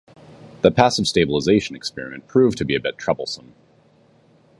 The passive stabilization experiment proved to be a bit troublesome.